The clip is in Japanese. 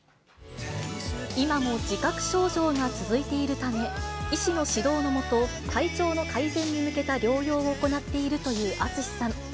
今も自覚症状が続いているため、医師の指導の下、体調の改善に向けた療養を行っているというＡＴＳＵＳＨＩさん。